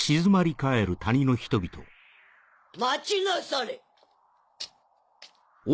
・待ちなされ！